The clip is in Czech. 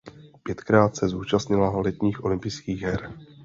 Pětkrát se zúčastnila letních olympijských her.